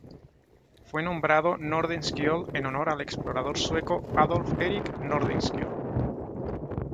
Fue nombrado Nordenskiöld en honor al explorador sueco Adolf Erik Nordenskjöld.